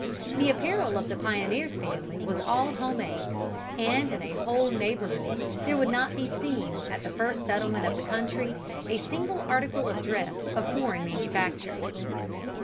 The apparel of the pioneer's family was all home made; and in a whole neighborhood there would not be seen, at the first settlement of the country, a single article of dress of foreign manufacture.